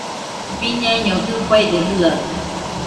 Biñaiño jɨfaide jɨaɨ